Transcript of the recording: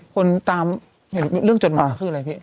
คนตามเห็นเรื่องจดหมายคืออะไรพี่